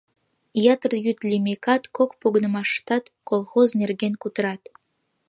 Ятыр йӱд лиймекат, кок погынымаштат колхоз нерген кутырат.